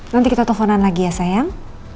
nanti kita toponan lagi ya sayang